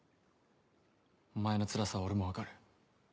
お前のつらさは俺も分かる。